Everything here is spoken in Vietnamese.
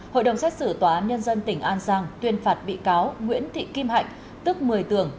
hội đồng xét xử tòa án nhân dân tỉnh an giang tuyên phạt bị cáo nguyễn thị kim hạnh tức một mươi tường